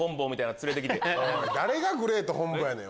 誰がグレート本坊やねん！